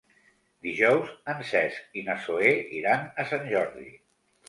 Dijous en Cesc i na Zoè iran a Sant Jordi.